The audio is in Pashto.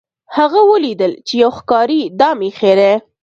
هغه ولیدل چې یو ښکاري دام ایښی دی.